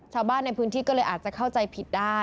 ชาวบ้านในพื้นที่ก็เลยอาจจะเข้าใจผิดได้